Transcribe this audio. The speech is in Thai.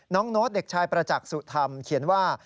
โน้ตเด็กชายประจักษ์สุธรรมเขียนว่า